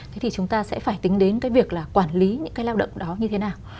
thế thì chúng ta sẽ phải tính đến cái việc là quản lý những cái lao động đó như thế nào